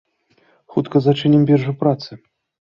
Хутка зачынім біржу працы!